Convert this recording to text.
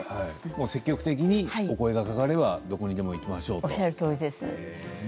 積極的にお声がかかればどこにでも行きましょうと。